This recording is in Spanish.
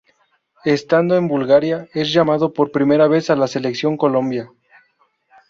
Estando en Bulgaria es llamado por primera vez a la Selección Colombia.